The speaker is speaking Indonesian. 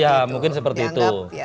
ya mungkin seperti itu